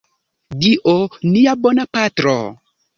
Dio, nia bona Patro.